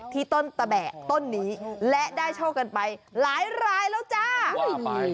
ที่ต้นตะแบะต้นนี้และได้โชคกันไปหลายรายแล้วจ้าทำไม